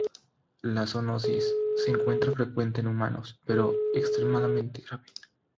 Una zoonosis poco frecuente en humanos, pero extremadamente grave.